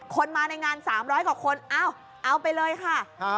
คนมาในงาน๓๐๐กว่าคนเอาไปเลยค่ะ